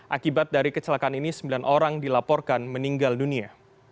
akibat dari kecelakaan ini sembilan orang dilaporkan meninggal dunia